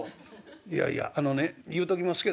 「いやいやあのね言うときますけどね